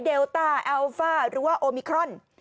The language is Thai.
เลต้าแอลฟ่าหรือว่าโอมิครอน